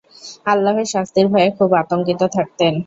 আল্লাহর শাস্তির ভয়ে খুব আতঙ্কিত থাকতেন।